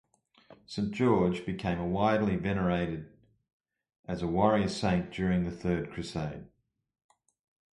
Saint George became widely venerated as a warrior saint during the Third Crusade.